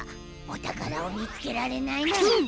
おたからをみつけられないなら。